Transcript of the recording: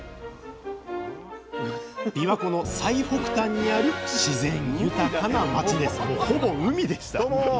びわ湖の最北端にある自然豊かな町ですどうも！